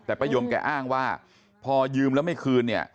แต่ป้ายมแกอ้างว่าพอยืมแล้วไม่คืนเนี่ย